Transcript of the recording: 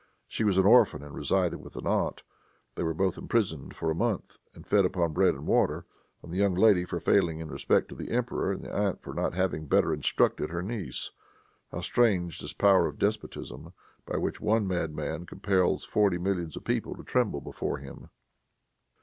She was an orphan and resided with an aunt. They were both imprisoned for a month and fed upon bread and water; the young lady for failing in respect to the emperor, and the aunt for not having better instructed her niece. How strange is this power of despotism, by which one madman compels forty millions of people to tremble before him!